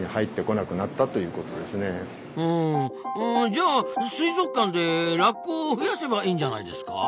じゃあ水族館でラッコを増やせばいいんじゃないですか？